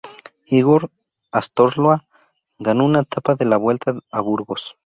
Igor Astarloa ganó una etapa de la Vuelta a Burgos.